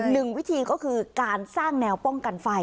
หนึ่งวิธีก็คือการสร้างแนวป้องกันไฟ